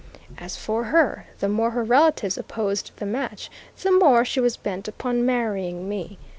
As for her, the more her relatives opposed the match, the more she was bent upon marrying me.